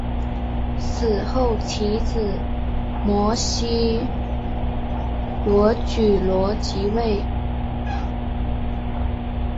死后其子摩醯逻矩罗即位。